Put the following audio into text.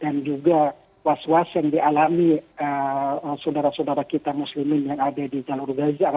dan juga was was yang dialami saudara saudara kita muslimin yang ada di jalur gaza